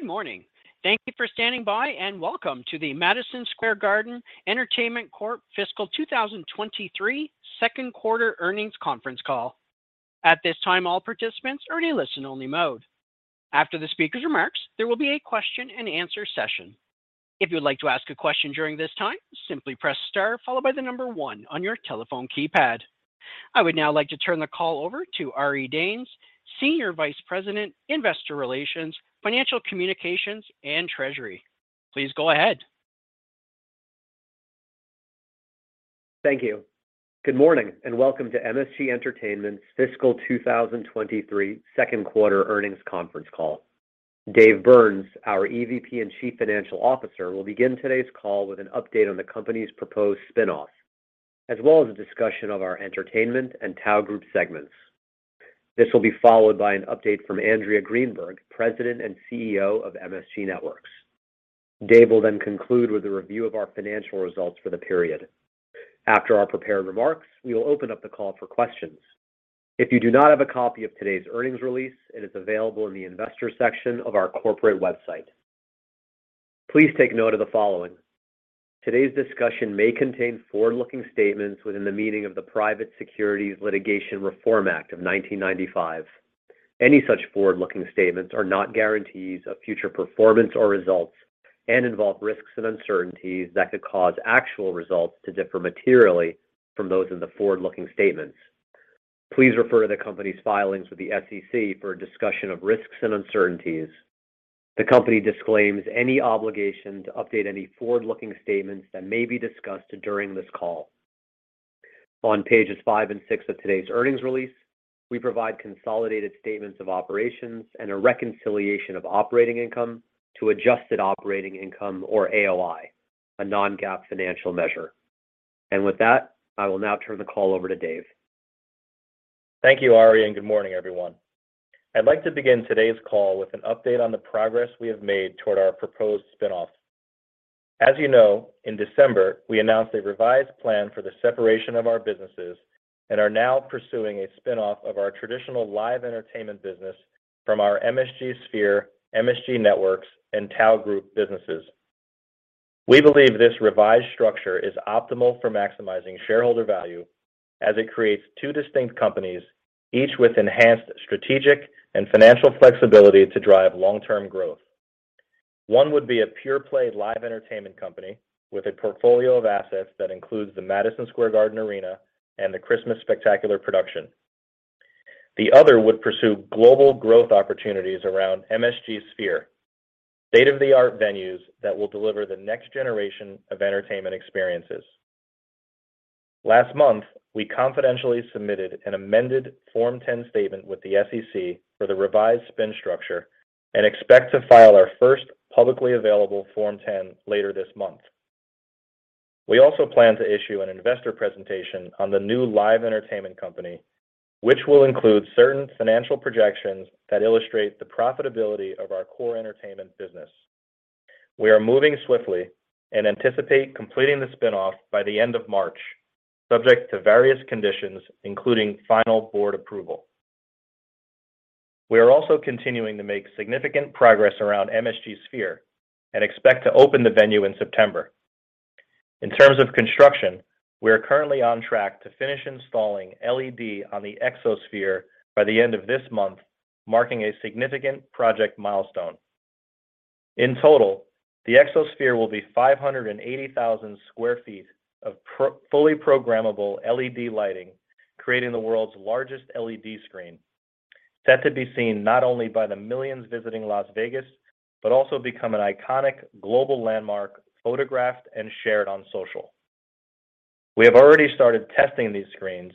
Good morning. Thank you for standing by, welcome to the Madison Square Garden Entertainment Corp. Fiscal 2023 2nd quarter earnings conference call. At this time, all participants are in a listen-only mode. After the speaker's remarks, there will be a question-and-answer session. If you would like to ask a question during this time, simply press star followed by one on your telephone keypad. I would now like to turn the call over to Ari Danes, Senior Vice President, Investor Relations, Financial Communications, and Treasury. Please go ahead. Thank you. Good morning, welcome to MSG Entertainment's Fiscal 2023 second quarter earnings conference call. Dave Byrnes, our EVP and Chief Financial Officer, will begin today's call with an update on the company's proposed spin-off, as well as a discussion of our entertainment and Tao Group segments. This will be followed by an update from Andrea Greenberg, President and CEO of MSG Networks. Dave will then conclude with a review of our financial results for the period. After our prepared remarks, we will open up the call for questions. If you do not have a copy of today's earnings release, it is available in the investor section of our corporate website. Please take note of the following. Today's discussion may contain forward-looking statements within the meaning of the Private Securities Litigation Reform Act of 1995. Any such forward-looking statements are not guarantees of future performance or results and involve risks and uncertainties that could cause actual results to differ materially from those in the forward-looking statements. Please refer to the company's filings with the SEC for a discussion of risks and uncertainties. The company disclaims any obligation to update any forward-looking statements that may be discussed during this call. On pages 5 and 6 of today's earnings release, we provide consolidated statements of operations and a reconciliation of operating income to adjusted operating income or AOI, a non-GAAP financial measure. With that, I will now turn the call over to Dave. Thank you, Ari. Good morning, everyone. I'd like to begin today's call with an update on the progress we have made toward our proposed spin-off. As you know, in December, we announced a revised plan for the separation of our businesses and are now pursuing a spin-off of our traditional live entertainment business from our MSG Sphere, MSG Networks, and Tao Group businesses. We believe this revised structure is optimal for maximizing shareholder value as it creates two distinct companies, each with enhanced strategic and financial flexibility to drive long-term growth. One would be a pure-play live entertainment company with a portfolio of assets that includes the Madison Square Garden Arena and the Christmas Spectacular production. The other would pursue global growth opportunities around MSG Sphere, state-of-the-art venues that will deliver the next generation of entertainment experiences. Last month, we confidentially submitted an amended Form 10 statement with the SEC for the revised spin structure and expect to file our first publicly available Form 10 later this month. We also plan to issue an investor presentation on the new live entertainment company, which will include certain financial projections that illustrate the profitability of our core entertainment business. We are moving swiftly and anticipate completing the spin-off by the end of March, subject to various conditions, including final board approval. We are also continuing to make significant progress around MSG Sphere and expect to open the venue in September. In terms of construction, we are currently on track to finish installing LED on the Exosphere by the end of this month, marking a significant project milestone. In total, the Exosphere will be 580,000 sq ft of fully programmable LED lighting, creating the world's largest LED screen, set to be seen not only by the millions visiting Las Vegas, but also become an iconic global landmark photographed and shared on social. We have already started testing these screens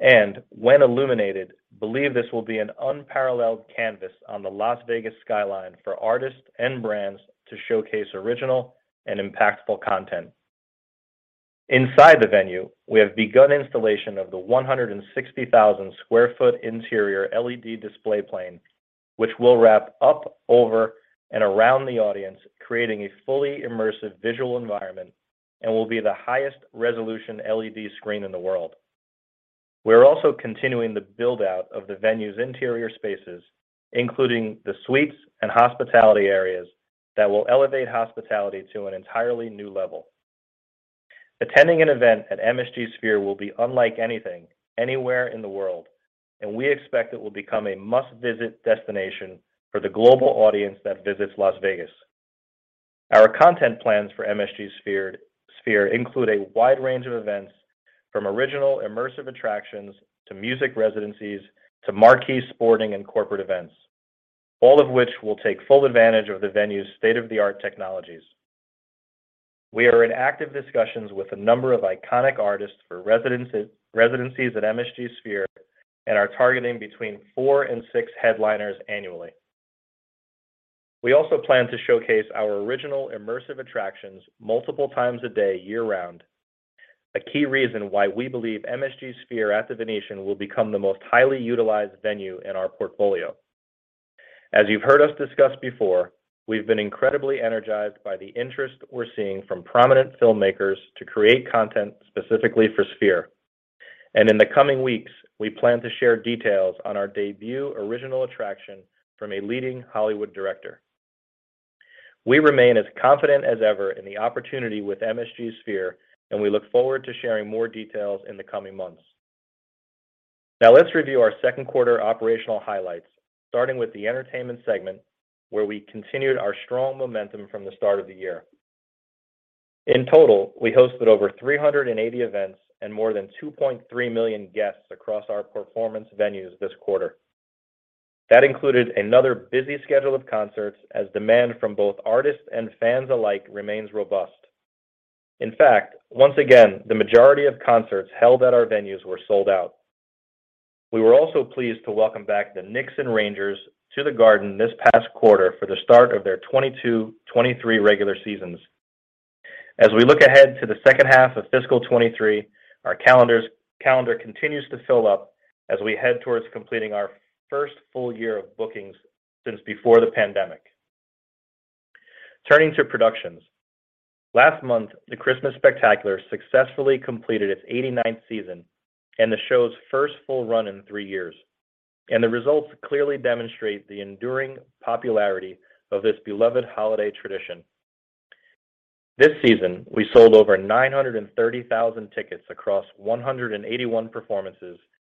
and when illuminated, believe this will be an unparalleled canvas on the Las Vegas skyline for artists and brands to showcase original and impactful content. Inside the venue, we have begun installation of the 160,000 sq ft interior LED display plane, which will wrap up, over, and around the audience, creating a fully immersive visual environment and will be the highest resolution LED screen in the world. We're also continuing the build-out of the venue's interior spaces, including the suites and hospitality areas that will elevate hospitality to an entirely new level. Attending an event at MSG Sphere will be unlike anything anywhere in the world. We expect it will become a must-visit destination for the global audience that visits Las Vegas. Our content plans for MSG Sphere include a wide range of events from original immersive attractions to music residencies to marquee sporting and corporate events, all of which will take full advantage of the venue's state-of-the-art technologies. We are in active discussions with a number of iconic artists for residencies at MSG Sphere and are targeting between four and six headliners annually. We also plan to showcase our original immersive attractions multiple times a day year-round, a key reason why we believe MSG Sphere at The Venetian will become the most highly utilized venue in our portfolio. As you've heard us discuss before, we've been incredibly energized by the interest we're seeing from prominent filmmakers to create content specifically for Sphere. In the coming weeks, we plan to share details on our debut original attraction from a leading Hollywood director. We remain as confident as ever in the opportunity with MSG Sphere, and we look forward to sharing more details in the coming months. Now let's review our second quarter operational highlights, starting with the entertainment segment, where we continued our strong momentum from the start of the year. In total, we hosted over 380 events and more than 2.3 million guests across our performance venues this quarter. That included another busy schedule of concerts as demand from both artists and fans alike remains robust. In fact, once again, the majority of concerts held at our venues were sold out. We were also pleased to welcome back the Knicks and Rangers to the Garden this past quarter for the start of their 2022-2023 regular seasons. As we look ahead to the second half of fiscal 2023, our calendar continues to fill up as we head towards completing our first full year of bookings since before the pandemic. Turning to productions. Last month, the Christmas Spectacular successfully completed its 89th season and the show's first full run in three years, and the results clearly demonstrate the enduring popularity of this beloved holiday tradition. This season, we sold over 930,000 tickets across 181 performances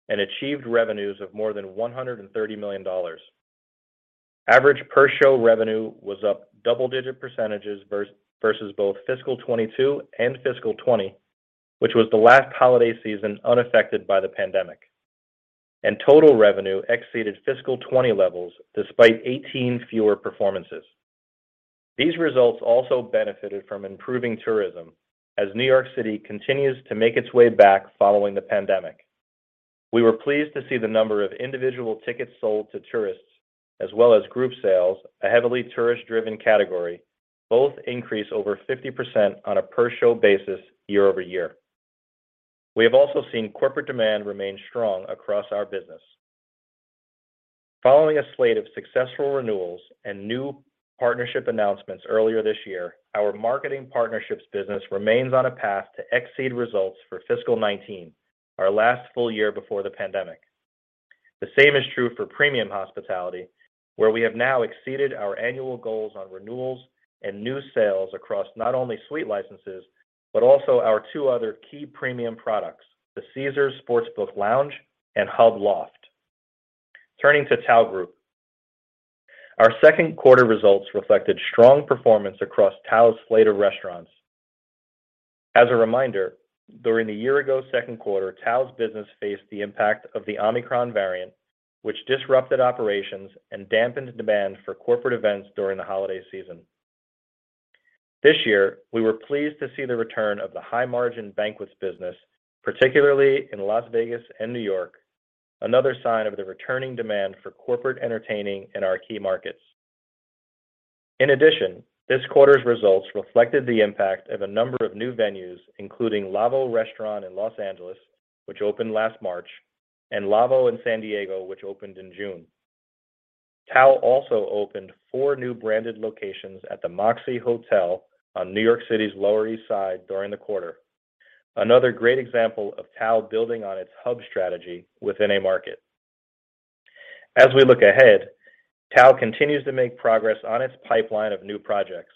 and achieved revenues of more than $130 million. Average per-show revenue was up double-digit % versus both fiscal 22 and fiscal 20, which was the last holiday season unaffected by the pandemic. Total revenue exceeded fiscal 20 levels despite 18 fewer performances. These results also benefited from improving tourism as New York City continues to make its way back following the pandemic. We were pleased to see the number of individual tickets sold to tourists as well as group sales, a heavily tourist-driven category, both increase over 50% on a per-show basis year-over-year. We have also seen corporate demand remain strong across our business. Following a slate of successful renewals and new partnership announcements earlier this year, our marketing partnerships business remains on a path to exceed results for fiscal 19, our last full year before the pandemic. The same is true for premium hospitality, where we have now exceeded our annual goals on renewals and new sales across not only suite licenses, but also our two other key premium products, the Caesars Sportsbook Lounge and HUB Loft. Turning to Tao Group. Our second quarter results reflected strong performance across Tao's slate of restaurants. As a reminder, during the year-ago second quarter, Tao's business faced the impact of the Omicron variant, which disrupted operations and dampened demand for corporate events during the holiday season. This year, we were pleased to see the return of the high-margin banquets business, particularly in Las Vegas and New York, another sign of the returning demand for corporate entertaining in our key markets. In addition, this quarter's results reflected the impact of a number of new venues, including LAVO Restaurant in Los Angeles, which opened last March, and LAVO in San Diego, which opened in June. Tao also opened four new branded locations at the Moxy Hotel on New York City's Lower East Side during the quarter. Another great example of Tao building on its hub strategy within a market. As we look ahead, Tao continues to make progress on its pipeline of new projects.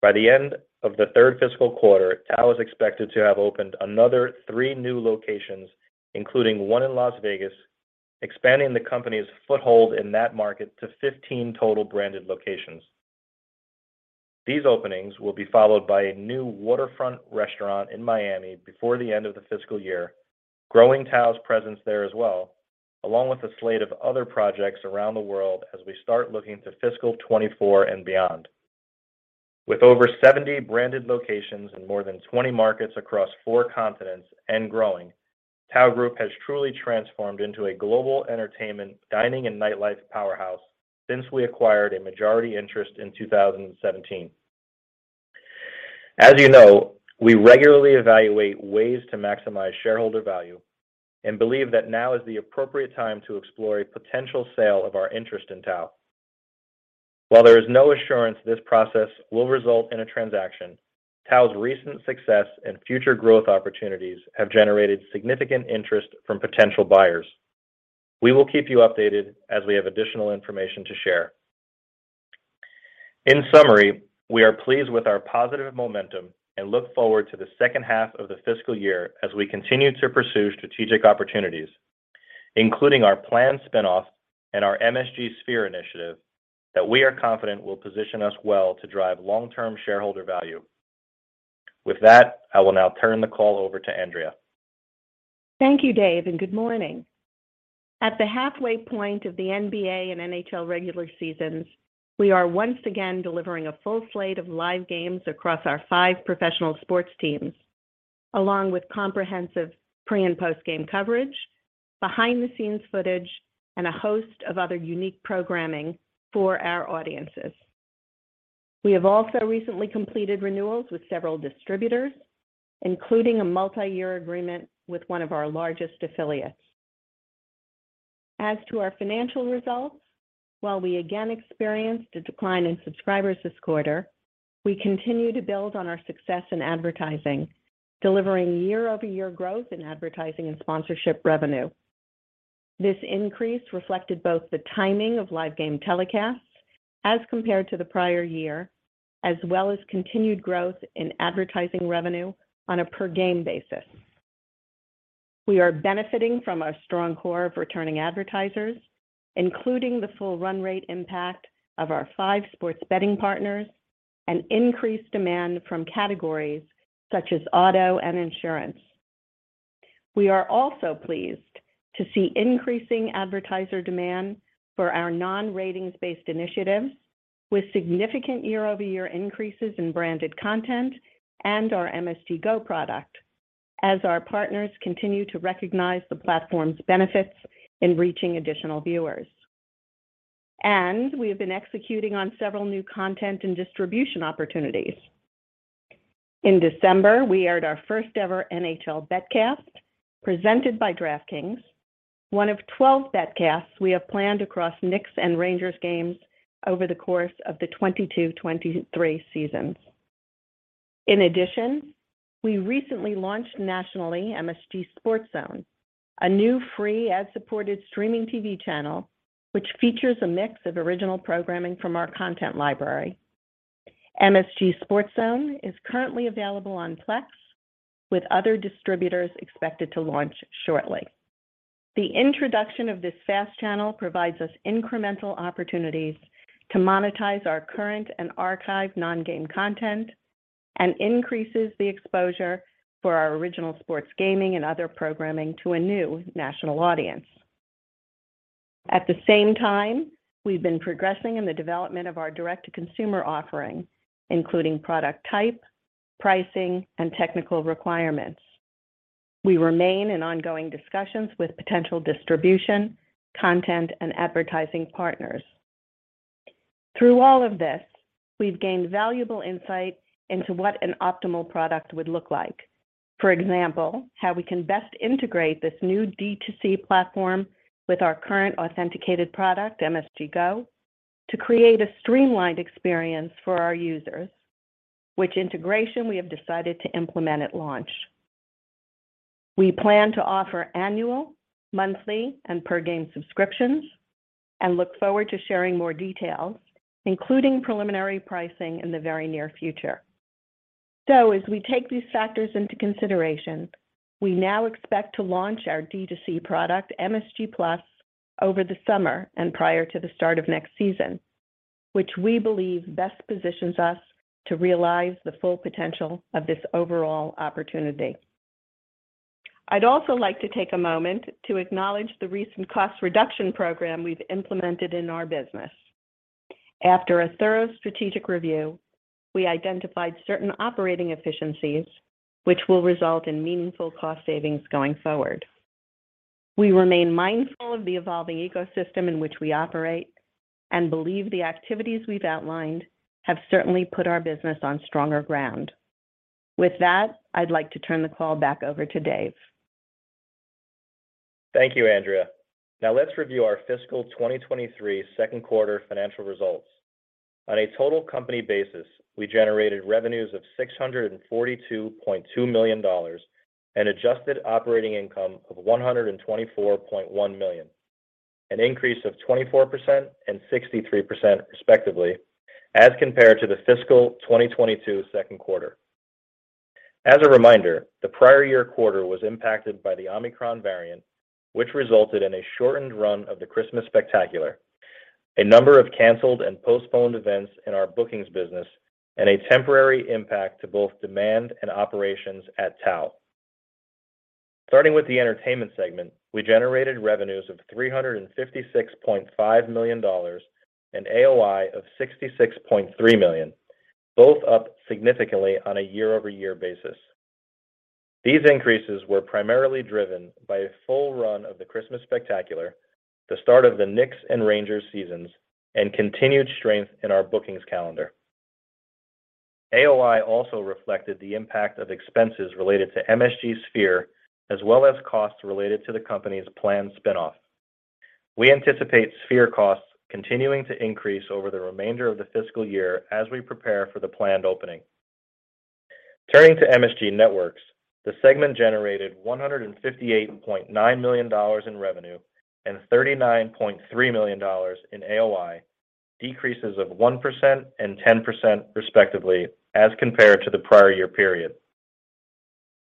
By the end of the third fiscal quarter, Tao is expected to have opened another three new locations, including one in Las Vegas, expanding the company's foothold in that market to 15 total branded locations. These openings will be followed by a new waterfront restaurant in Miami before the end of the fiscal year, growing Tao's presence there as well, along with a slate of other projects around the world as we start looking to fiscal 2024 and beyond. With over 70 branded locations in more than 20 markets across four continents and growing, Tao Group has truly transformed into a global entertainment, dining, and nightlife powerhouse since we acquired a majority interest in 2017. As you know, we regularly evaluate ways to maximize shareholder value and believe that now is the appropriate time to explore a potential sale of our interest in Tao. While there is no assurance this process will result in a transaction, Tao's recent success and future growth opportunities have generated significant interest from potential buyers. We will keep you updated as we have additional information to share. In summary, we are pleased with our positive momentum and look forward to the second half of the fiscal year as we continue to pursue strategic opportunities, including our planned spinoff and our MSG Sphere initiative that we are confident will position us well to drive long-term shareholder value. With that, I will now turn the call over to Andrea. Thank you, Dave, and good morning. At the halfway point of the NBA and NHL regular seasons, we are once again delivering a full slate of live games across our five professional sports teams, along with comprehensive pre- and post-game coverage, behind-the-scenes footage, and a host of other unique programming for our audiences. We have also recently completed renewals with several distributors, including a multi-year agreement with one of our largest affiliates. As to our financial results, while we again experienced a decline in subscribers this quarter, we continue to build on our success in advertising, delivering year-over-year growth in advertising and sponsorship revenue. This increase reflected both the timing of live game telecasts as compared to the prior year, as well as continued growth in advertising revenue on a per game basis. We are benefiting from our strong core of returning advertisers, including the full run rate impact of our five sports betting partners and increased demand from categories such as auto and insurance. We are also pleased to see increasing advertiser demand for our non-ratings based initiatives with significant year-over-year increases in branded content and our MSG Go product as our partners continue to recognize the platform's benefits in reaching additional viewers. We have been executing on several new content and distribution opportunities. In December, we aired our first ever NHL BetCast presented by DraftKings, one of 12 BetCasts we have planned across Knicks and Rangers games over the course of the 2022-2023 season. In addition, we recently launched nationally MSG SportsZone, a new free ad-supported streaming TV channel, which features a mix of original programming from our content library. MSG SportsZone is currently available on Plex, with other distributors expected to launch shortly. The introduction of this fast channel provides us incremental opportunities to monetize our current and archive non-game content and increases the exposure for our original sports gaming and other programming to a new national audience. At the same time, we've been progressing in the development of our direct-to-consumer offering, including product type, pricing, and technical requirements. We remain in ongoing discussions with potential distribution, content, and advertising partners. Through all of this, we've gained valuable insight into what an optimal product would look like. For example, how we can best integrate this new D2C platform with our current authenticated product, MSG Go, to create a streamlined experience for our users. Which integration we have decided to implement at launch. We plan to offer annual, monthly, and per game subscriptions and look forward to sharing more details, including preliminary pricing in the very near future. As we take these factors into consideration, we now expect to launch our D2C product, MSG+ over the summer and prior to the start of next season, which we believe best positions us to realize the full potential of this overall opportunity. I'd also like to take a moment to acknowledge the recent cost reduction program we've implemented in our business. After a thorough strategic review, we identified certain operating efficiencies which will result in meaningful cost savings going forward. We remain mindful of the evolving ecosystem in which we operate and believe the activities we've outlined have certainly put our business on stronger ground. With that, I'd like to turn the call back over to Dave. Thank you, Andrea. Let's review our fiscal 2023 second quarter financial results. On a total company basis, we generated revenues of $642.2 million and adjusted operating income of $124.1 million, an increase of 24% and 63% respectively as compared to the fiscal 2022 second quarter. As a reminder, the prior year quarter was impacted by the Omicron variant, which resulted in a shortened run of the Christmas Spectacular, a number of canceled and postponed events in our bookings business, and a temporary impact to both demand and operations at Tao. Starting with the entertainment segment, we generated revenues of $356.5 million and AOI of $66.3 million, both up significantly on a year-over-year basis. These increases were primarily driven by a full run of the Christmas Spectacular, the start of the Knicks and Rangers seasons, and continued strength in our bookings calendar. AOI also reflected the impact of expenses related to MSG Sphere, as well as costs related to the company's planned spin-off. We anticipate Sphere costs continuing to increase over the remainder of the fiscal year as we prepare for the planned opening. Turning to MSG Networks, the segment generated $158.9 million in revenue and $39.3 million in AOI, decreases of 1% and 10% respectively as compared to the prior year period.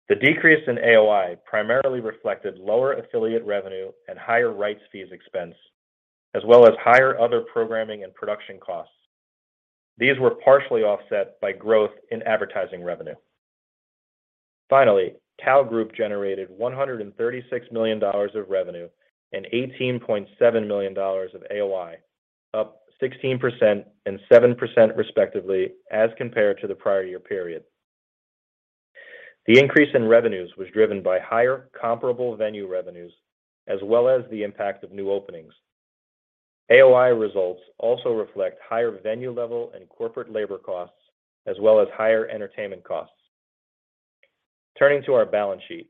The decrease in AOI primarily reflected lower affiliate revenue and higher rights fees expense, as well as higher other programming and production costs. These were partially offset by growth in advertising revenue. Tao Group generated $136 million of revenue and $18.7 million of AOI, up 16% and 7% respectively as compared to the prior year period. The increase in revenues was driven by higher comparable venue revenues as well as the impact of new openings. AOI results also reflect higher venue level and corporate labor costs, as well as higher entertainment costs. Turning to our balance sheet.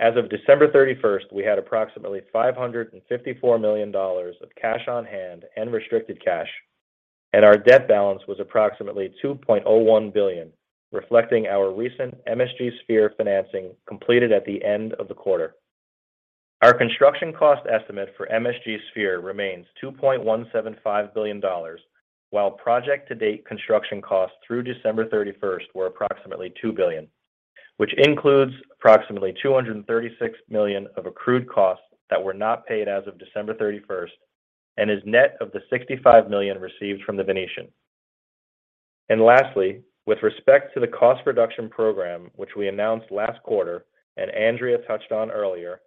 As of December 31st, we had approximately $554 million of cash on hand and restricted cash, and our debt balance was approximately $2.01 billion, reflecting our recent MSG Sphere financing completed at the end of the quarter. Our construction cost estimate for MSG Sphere remains $2.175 billion, while project to date construction costs through December 31st were approximately $2 billion, which includes approximately $236 million of accrued costs that were not paid as of December 31st and is net of the $65 million received from The Venetian. Lastly, with respect to the cost reduction program, which we announced last quarter and Andrea touched on earlier,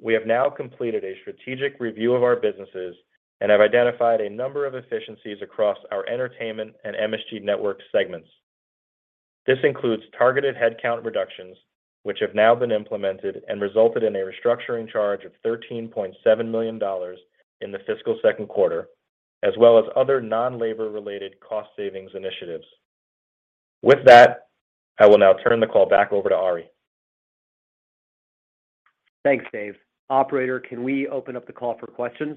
we have now completed a strategic review of our businesses and have identified a number of efficiencies across our entertainment and MSG Networks segments. This includes targeted headcount reductions, which have now been implemented and resulted in a restructuring charge of $13.7 million in the fiscal second quarter, as well as other non-labor related cost savings initiatives. With that, I will now turn the call back over to Ari. Thanks, Dave. Operator, can we open up the call for questions?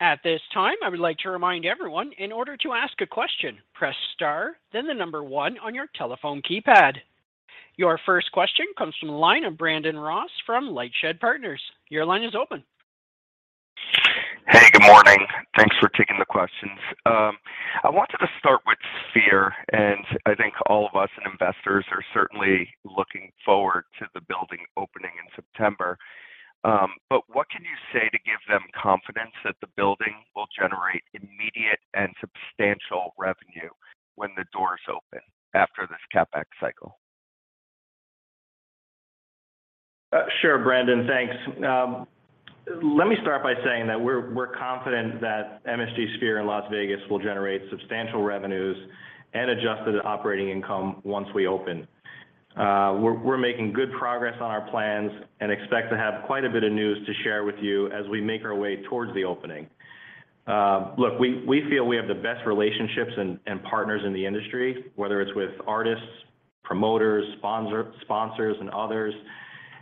At this time, I would like to remind everyone, in order to ask a question, press star, then the number one on your telephone keypad. Your first question comes from the line of Brandon Ross from LightShed Partners. Your line is open. Hey, good morning. Thanks for taking the questions. I wanted to start with Sphere, and I think all of us investors are certainly looking forward to the building opening in September. What can you say to give them confidence that the building will generate immediate and substantial revenue when the doors open after this CapEx cycle? Sure, Brandon. Thanks. Let me start by saying that we're confident that MSG Sphere in Las Vegas will generate substantial revenues and adjusted operating income once we open. We're making good progress on our plans and expect to have quite a bit of news to share with you as we make our way towards the opening. Look, we feel we have the best relationships and partners in the industry, whether it's with artists, promoters, sponsors, and others,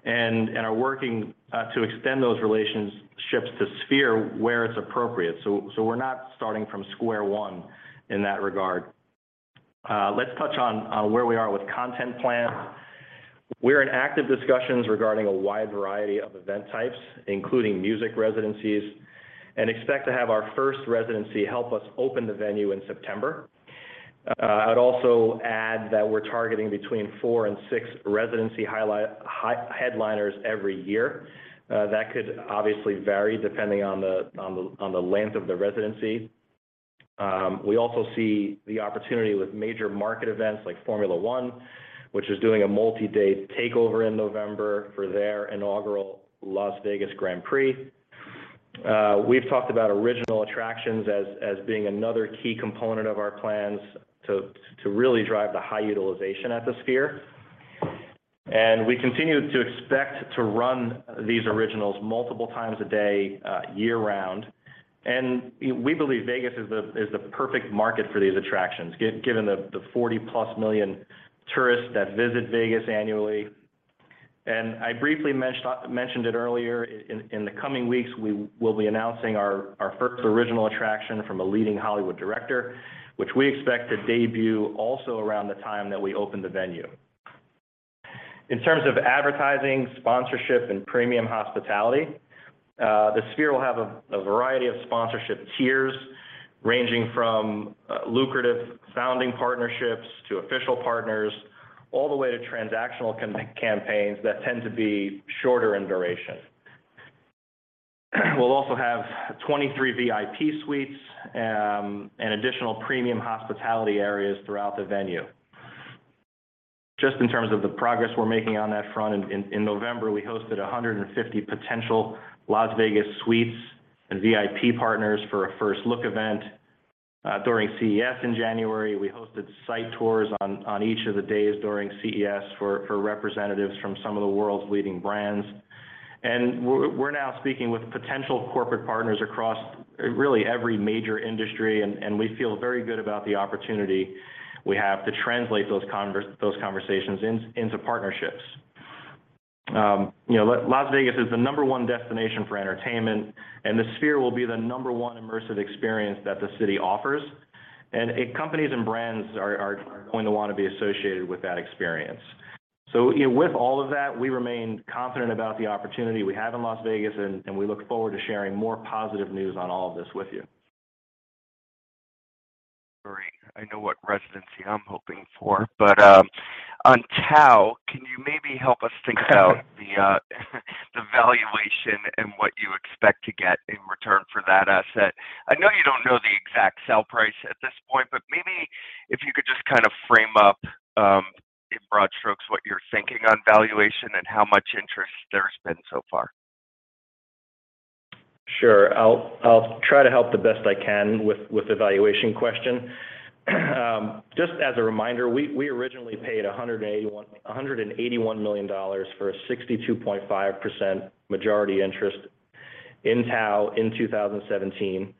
and are working to extend those relationships to Sphere where it's appropriate. We're not starting from square one in that regard. Let's touch on where we are with content plans. We're in active discussions regarding a wide variety of event types, including music residencies, and expect to have our first residency help us open the venue in September. I'd also add that we're targeting between four and six residency headliners every year. That could obviously vary depending on the length of the residency. We also see the opportunity with major market events like Formula One, which is doing a multi-day takeover in November for their inaugural Las Vegas Grand Prix. We've talked about original attractions as being another key component of our plans to really drive the high utilization at the Sphere. We continue to expect to run these originals multiple times a day, year-round. We believe Vegas is the perfect market for these attractions, given the 40+ million tourists that visit Vegas annually. I briefly mentioned it earlier. In the coming weeks, we will be announcing our first original attraction from a leading Hollywood director, which we expect to debut also around the time that we open the venue. In terms of advertising, sponsorship, and premium hospitality, the Sphere will have a variety of sponsorship tiers ranging from lucrative founding partnerships to official partners, all the way to transactional campaigns that tend to be shorter in duration. We'll also have 23 VIP suites and additional premium hospitality areas throughout the venue. Just in terms of the progress we're making on that front, In November, we hosted 150 potential Las Vegas suites and VIP partners for a first look event. During CES in January, we hosted site tours on each of the days during CES for representatives from some of the world's leading brands. We're now speaking with potential corporate partners across really every major industry, and we feel very good about the opportunity we have to translate those conversations into partnerships. You know, Las Vegas is the number one destination for entertainment, and the Sphere will be the number one immersive experience that the city offers. Companies and brands are going to want to be associated with that experience. You know, with all of that, we remain confident about the opportunity we have in Las Vegas, and we look forward to sharing more positive news on all of this with you. Great. I know what residency I'm hoping for. On Tao, can you maybe help us think about the valuation and what you expect to get in return for that asset? I know you don't know the exact sell price at this point, but maybe if you could just kind of frame up in broad strokes what you're thinking on valuation and how much interest there's been so far? Sure. I'll try to help the best I can with the valuation question. Just as a reminder, we originally paid $181 million for a 62.5 majority interest in Tao in 2017.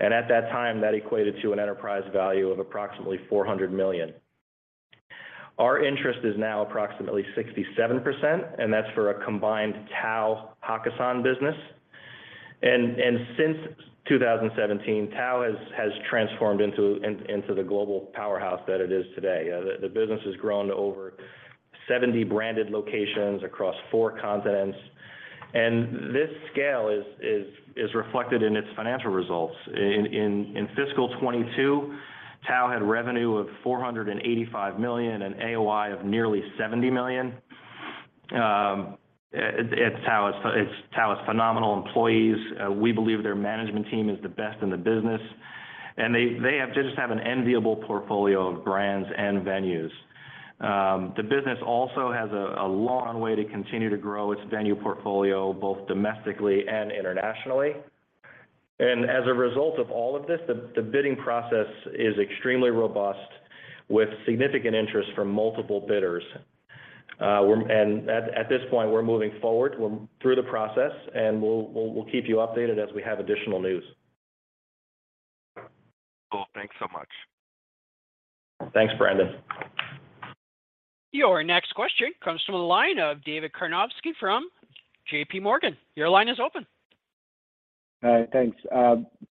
At that time, that equated to an enterprise value of approximately $400 million. Our interest is now approximately 67%, and that's for a combined Tao Hakkasan business. Since 2017, Tao has transformed into the global powerhouse that it is today. The business has grown to over 70 branded locations across four continents. This scale is reflected in its financial results. In fiscal 22, Tao had revenue of $485 million and AOI of nearly $70 million. It's Tao, it's Tao's phenomenal employees. We believe their management team is the best in the business. They just have an enviable portfolio of brands and venues. The business also has a long way to continue to grow its venue portfolio, both domestically and internationally. As a result of all of this, the bidding process is extremely robust with significant interest from multiple bidders. At this point, we're moving forward. We're through the process, and we'll keep you updated as we have additional news. Cool. Thanks so much. Thanks, Brandon. Your next question comes from the line of David Karnovsky from J.P. Morgan. Your line is open. Thanks.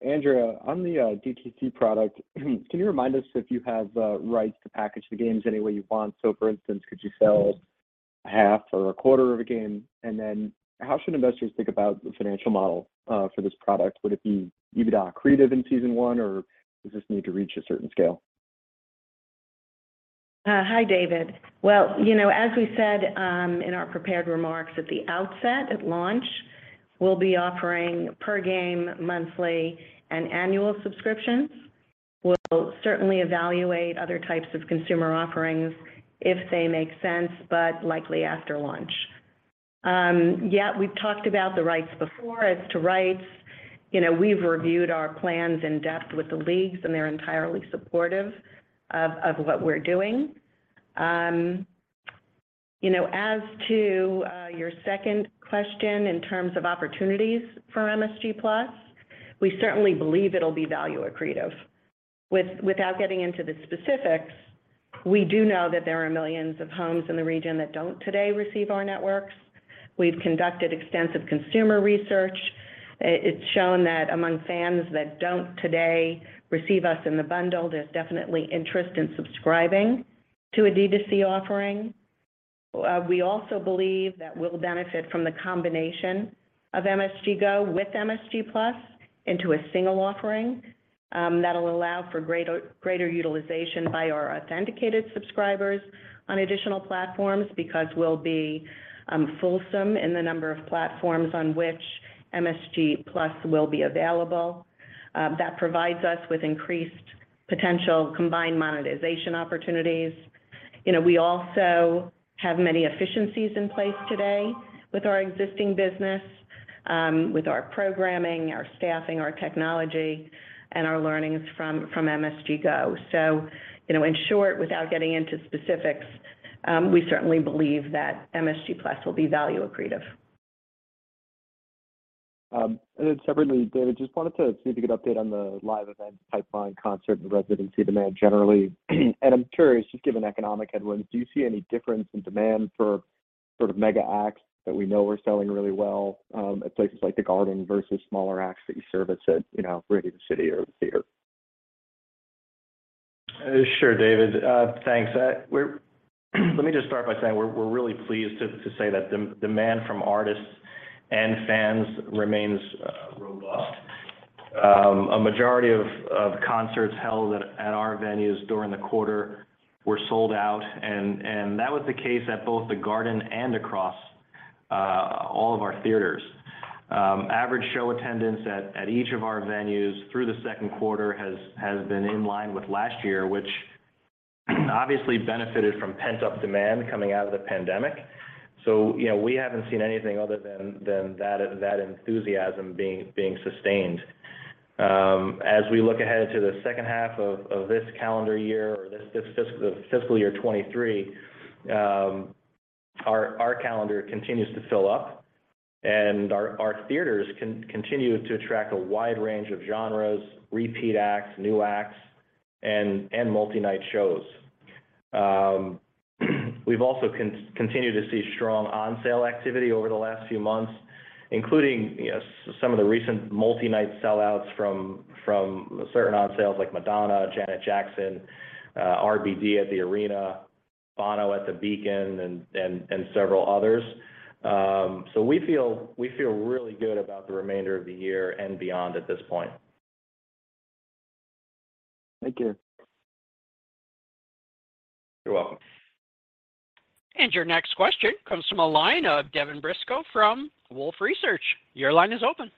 Andrea, on the DTC product, can you remind us if you have rights to package the games any way you want? For instance, could you sell half or a quarter of a game? How should investors think about the financial model for this product? Would it be EBITDA accretive in season one, or does this need to reach a certain scale? Hi, David. Well, you know, as we said, in our prepared remarks at the outset, at launch, we'll be offering per game, monthly, and annual subscriptions. We'll certainly evaluate other types of consumer offerings if they make sense, likely after launch. Yeah, we've talked about the rights before. As to rights, you know, we've reviewed our plans in depth with the leagues, they're entirely supportive of what we're doing. You know, as to your second question in terms of opportunities for MSG+, we certainly believe it'll be value accretive. Without getting into the specifics, we do know that there are millions of homes in the region that don't today receive our networks. We've conducted extensive consumer research. It's shown that among fans that don't today receive us in the bundle, there's definitely interest in subscribing to a DTC offering. We also believe that we'll benefit from the combination of MSG Go with MSG+ into a single offering, that'll allow for greater utilization by our authenticated subscribers on additional platforms because we'll be fulsome in the number of platforms on which MSG+ will be available. That provides us with increased potential combined monetization opportunities. You know, we also have many efficiencies in place today with our existing business, with our programming, our staffing, our technology, and our learnings from MSG Go. You know, in short, without getting into specifics, we certainly believe that MSG+ will be value accretive. separately, David, just wanted to see if you could update on the live event pipeline concert and residency demand generally. I'm curious, just given economic headwinds, do you see any difference in demand for sort of mega acts that we know are selling really well, at places like the Garden versus smaller acts that you service at, you know, Radio City or theater? Sure, David. Thanks. Let me just start by saying we're really pleased to say that demand from artists and fans remains robust. A majority of concerts held at our venues during the quarter were sold out and that was the case at both the Garden and across all of our theaters. Average show attendance at each of our venues through the second quarter has been in line with last year, which obviously benefited from pent-up demand coming out of the pandemic. You know, we haven't seen anything other than that enthusiasm being sustained. As we look ahead to the second half of this calendar year or this fiscal year 23, our calendar continues to fill up, and our theaters continue to attract a wide range of genres, repeat acts, new acts, and multi-night shows. We've also continue to see strong on-sale activity over the last few months, including, you know, some of the recent multi-night sellouts from certain on-sales like Madonna, Janet Jackson, RBD at the Arena, Bono at The Beacon, and several others. We feel really good about the remainder of the year and beyond at this point. Thank you. You're welcome. Your next question comes from a line of Devin Briscoe from Wolfe Research. Your line is open.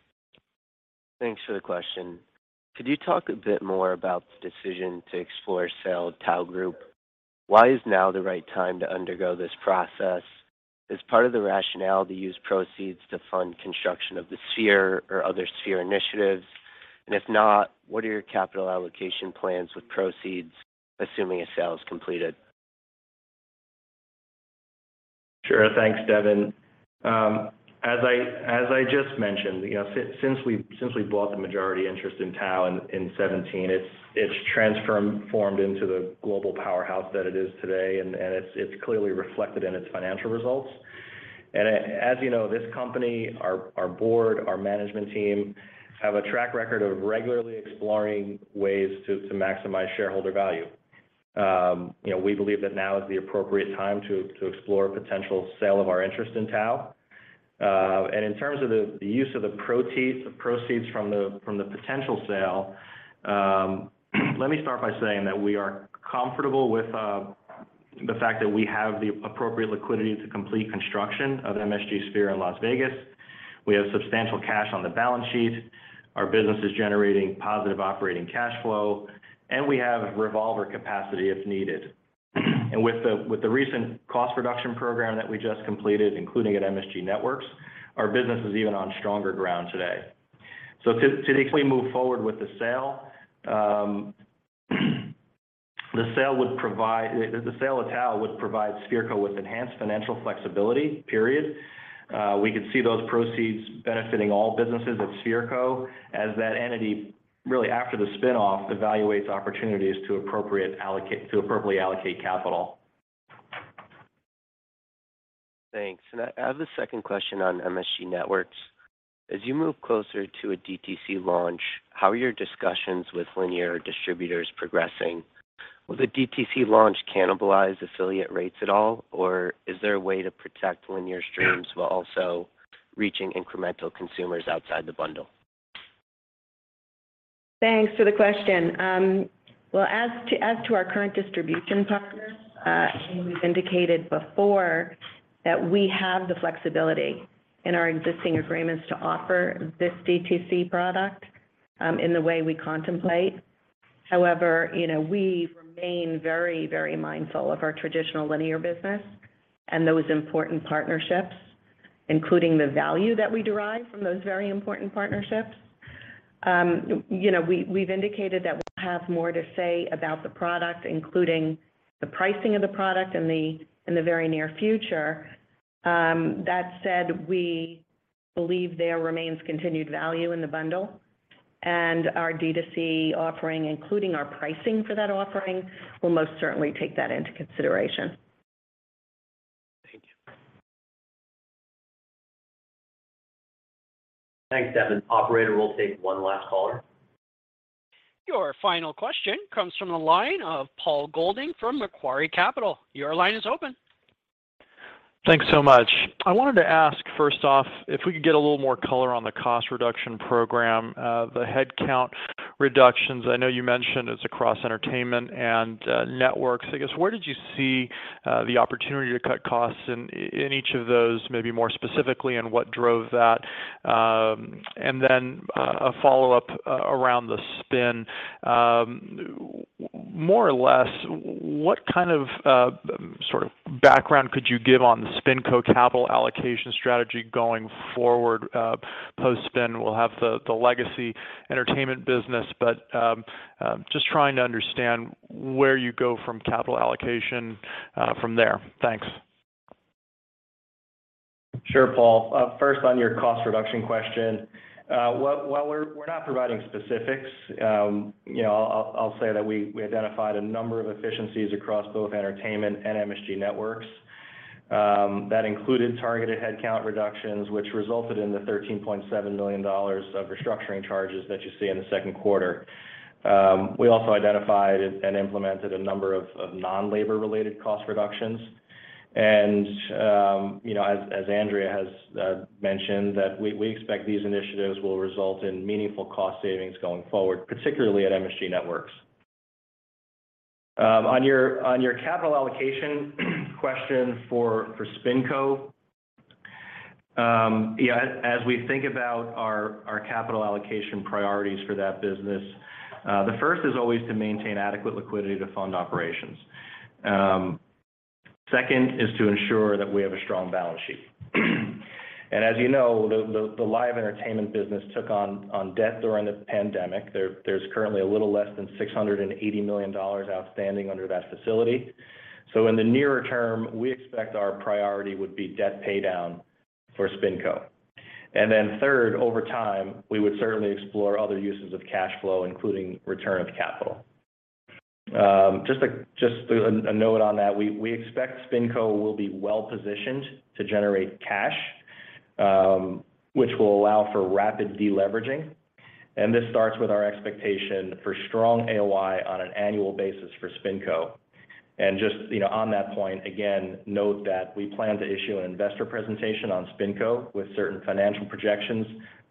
Thanks for the question. Could you talk a bit more about the decision to explore sale of Tao Group? Why is now the right time to undergo this process? Is part of the rationale to use proceeds to fund construction of the Sphere or other Sphere initiatives? If not, what are your capital allocation plans with proceeds, assuming a sale is completed? Sure. Thanks, Devin. As I just mentioned, you know, since we bought the majority interest in Tao in 2017, it's transformed, formed into the global powerhouse that it is today, and it's clearly reflected in its financial results. As you know, this company, our board, our management team, have a track record of regularly exploring ways to maximize shareholder value. You know, we believe that now is the appropriate time to explore potential sale of our interest in Tao. In terms of the use of the proceeds from the potential sale, let me start by saying that we are comfortable with the fact that we have the appropriate liquidity to complete construction of MSG Sphere in Las Vegas. We have substantial cash on the balance sheet. Our business is generating positive operating cash flow, and we have revolver capacity if needed. With the recent cost reduction program that we just completed, including at MSG Networks, our business is even on stronger ground today. To the extent we move forward with the sale, the sale of Tao would provide Sphere Co. with enhanced financial flexibility, period. We could see those proceeds benefiting all businesses at Sphere Co. as that entity, really after the spin-off, evaluates opportunities to appropriately allocate capital. Thanks. I have a second question on MSG Networks. As you move closer to a DTC launch, how are your discussions with linear distributors progressing? Will the DTC launch cannibalize affiliate rates at all, or is there a way to protect linear streams? Yeah... while also reaching incremental consumers outside the bundle? Thanks for the question. Well, as to our current distribution partners, we've indicated before that we have the flexibility in our existing agreements to offer this D2C product in the way we contemplate. However, you know, we remain very mindful of our traditional linear business and those important partnerships, including the value that we derive from those very important partnerships. You know, we've indicated that we'll have more to say about the product, including the pricing of the product in the very near future. That said, we believe there remains continued value in the bundle, and our D2C offering, including our pricing for that offering, will most certainly take that into consideration. Thank you. Thanks, Devin. Operator, we'll take one last caller. Your final question comes from the line of Paul Golding from Macquarie Capital. Your line is open. Thanks so much. I wanted to ask, first off, if we could get a little more color on the cost reduction program, the headcount reductions. I know you mentioned it's across entertainment and networks. I guess, where did you see the opportunity to cut costs in each of those, maybe more specifically, and what drove that? Then a follow-up around the spin. More or less, what kind of sort of background could you give on the SpinCo capital allocation strategy going forward? Post-spin, we'll have the legacy entertainment business, but, just trying to understand where you go from capital allocation from there. Thanks. Sure, Paul. First on your cost reduction question. While we're not providing specifics, you know, I'll say that we identified a number of efficiencies across both entertainment and MSG Networks, that included targeted headcount reductions, which resulted in the $13.7 million of restructuring charges that you see in the second quarter. We also identified and implemented a number of non-labor related cost reductions. You know, as Andrea has mentioned, that we expect these initiatives will result in meaningful cost savings going forward, particularly at MSG Networks. On your capital allocation question for SpinCo. Yeah, as we think about our capital allocation priorities for that business, the first is always to maintain adequate liquidity to fund operations. Second is to ensure that we have a strong balance sheet. As you know, the live entertainment business took on debt during the pandemic. There's currently a little less than $680 million outstanding under that facility. In the nearer term, we expect our priority would be debt paydown for SpinCo. Third, over time, we would certainly explore other uses of cash flow, including return of capital. Just a note on that, we expect SpinCo will be well-positioned to generate cash, which will allow for rapid deleveraging. This starts with our expectation for strong AOI on an annual basis for SpinCo. Just, you know, on that point, again, note that we plan to issue an investor presentation on SpinCo with certain financial projections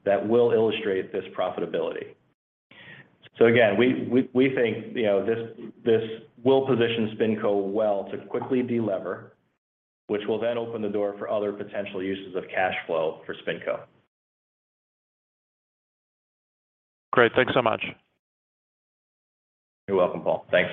that will illustrate this profitability. Again, we think, you know, this will position SpinCo well to quickly delever, which will then open the door for other potential uses of cash flow for SpinCo. Great. Thanks so much. You're welcome, Paul. Thanks.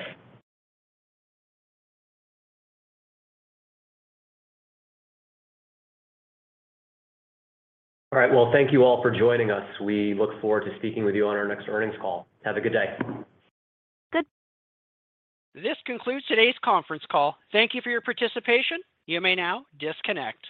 All right. Thank you all for joining us. We look forward to speaking with you on our next earnings call. Have a good day. Good. This concludes today's conference call. Thank you for your participation. You may now disconnect.